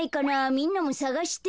みんなもさがして。